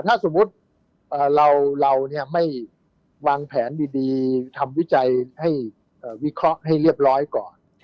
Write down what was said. ถ้าสมมุติเราไม่วางแผนดีทำวิจัยให้วิเคราะห์ให้เรียบร้อยก่อน